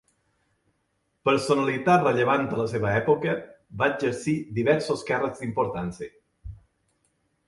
Personalitat rellevant a la seva època, va exercir diversos càrrecs d'importància.